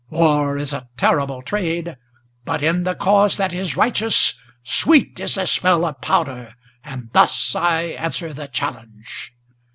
War is a terrible trade; but in the cause that is righteous, Sweet is the smell of powder; and thus I answer the challenge!"